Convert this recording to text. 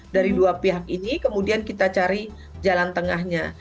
dari dua pihak ini kemudian kita cari jalan tengahnya